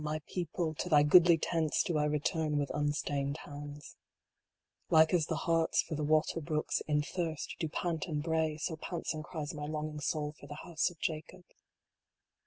my people to thy goodly tents do I return with unstained hands. HEAR, O ISRAEL! 83 Like as the harts for the water brooks, in thirst, do pant and bray, so pants and cries my longing soul for the house of Jacob.